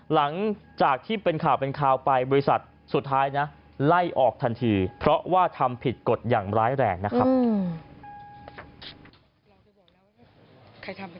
หลังจากที่เป็นข่าวเป็นข่าวไปบริษัทสุดท้ายนะไล่ออกทันทีเพราะว่าทำผิดกฎอย่างร้ายแรงนะครับ